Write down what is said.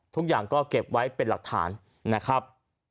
ทุกอย่างก็เก็บไว้เป็นหลักฐานนะครับ